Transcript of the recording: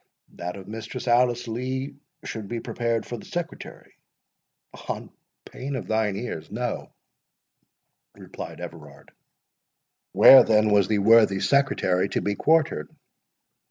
"That of Mistress Alice Lee should be prepared for the Secretary." "On pain of thine ears—No," replied Everard. "Where then was the worthy Secretary to be quartered?"